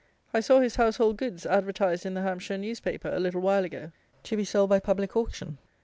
I saw his household goods advertised in the Hampshire newspaper, a little while ago, to be sold by public auction.